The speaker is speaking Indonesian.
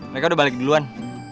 mereka udah balik duluan